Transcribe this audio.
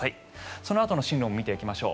そのあとの進路も見ていきましょう。